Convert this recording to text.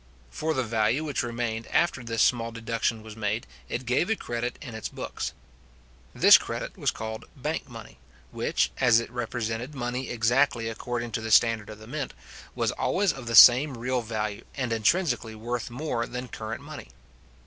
For the value which remained after this small deduction was made, it gave a credit in its books. This credit was called bank money, which, as it represented money exactly according to the standard of the mint, was always of the same real value, and intrinsically worth more than current money.